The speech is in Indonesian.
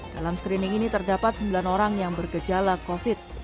dalam screening ini terdapat sembilan orang yang bergejala covid